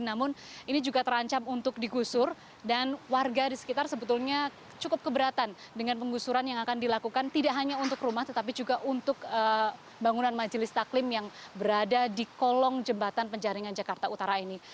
namun ini juga terancam untuk digusur dan warga di sekitar sebetulnya cukup keberatan dengan penggusuran yang akan dilakukan tidak hanya untuk rumah tetapi juga untuk bangunan majelis taklim yang berada di kolong jembatan penjaringan jakarta utara ini